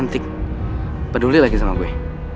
antik peduli lagi sama gue